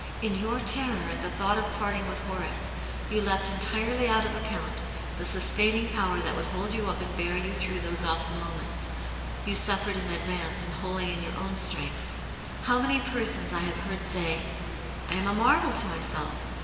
In your terror at the thought of parting with Horace, you left entirely out of account the sustaining power that would hold you up and bear you through those awful moments; yoU suflfeted la advance, and wholly in your o>Nn sXx^tv^>Ocv. ^nsXV^"^ 148 Aunt Jane's Hero. many, how many persons I have heard say, 'I am a marvel to myself!